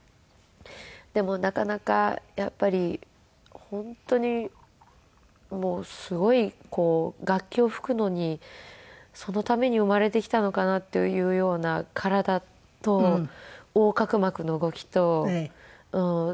でもなかなかやっぱり本当にもうすごいこう楽器を吹くのにそのために生まれてきたのかなというような体と横隔膜の動きとこの手先と。